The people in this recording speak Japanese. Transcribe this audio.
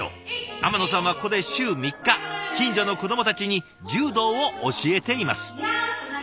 天野さんはここで週３日近所の子どもたちに柔道を教えています。